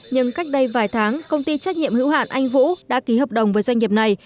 nhưng cách đây vài tháng công ty trách nhiệm hữu hạn anh vũ đã ký hợp đồng với doanh nghiệp này